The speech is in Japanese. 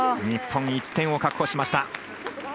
日本、１点を確保しました。